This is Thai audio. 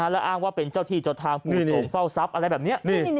และอ้างว่าเป็นเจ้าที่เจ้าทางผู้สูงเฝ้าทรัพย์อะไรแบบนี้